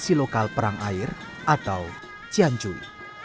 tradisi lokal perang air atau ciancui